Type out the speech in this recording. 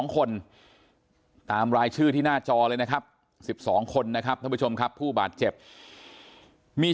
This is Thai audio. คนตามรายชื่อที่หน้าจอเลยนะครับ๑๒คนนะครับผู้บาดเจ็บมี